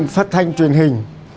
phát thanh truyền hình